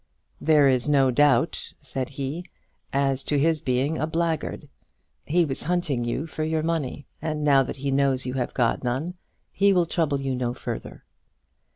"There is no doubt," said he, "as to his being a blackguard. He was hunting for your money, and now that he knows you have got none, he will trouble you no further."